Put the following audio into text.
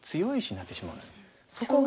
そこが。